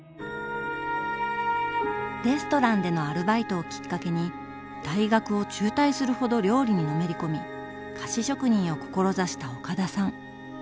レストランでのアルバイトをきっかけに大学を中退するほど料理にのめり込み菓子職人を志した岡田さん。